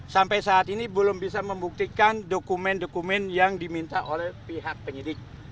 sampai saat ini belum bisa membuktikan dokumen dokumen yang diminta oleh pihak penyidik